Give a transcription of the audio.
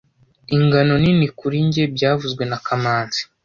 Ingano nini kuri njye byavuzwe na kamanzi